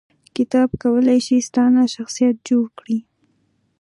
کتاب کولای شي ستا نه شخصیت جوړ کړي